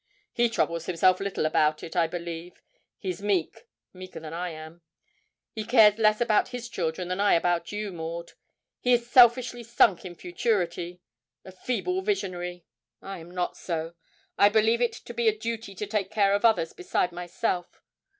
He troubles himself little about it, I believe he's meek, meeker than I. He cares less about his children than I about you, Maud; he is selfishly sunk in futurity a feeble visionary. I am not so. I believe it to be a duty to take care of others beside myself.